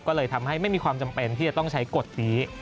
ก็เลยทำให้ไม่มีความจำเป็นที่จะต้องใช้กฎนี้